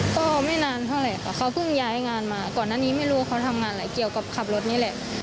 ก็ไม่นานเท่าไหร่ค่ะเขาเพิ่งย้ายงานมาก่อนหน้านี้ไม่รู้ว่าเขาทำงานอะไรเกี่ยวกับขับรถนี่แหละ